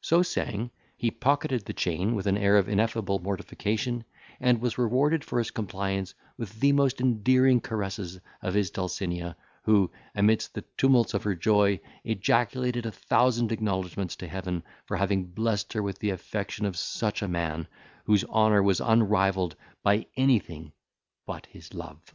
So saying, he pocketed the chain, with an air of ineffable mortification, and was rewarded for his compliance with the most endearing caresses of his Dulcinea, who, amidst the tumults of her joy, ejaculated a thousand acknowledgments to Heaven for having blessed her with the affection of such a man, whose honour was unrivalled by anything but his love.